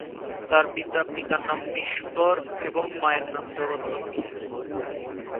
তার পিতার নাম বিষ্ণু ধর এবং মায়ের নাম জগৎ লক্ষ্মী।